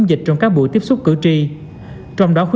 về cái việc nó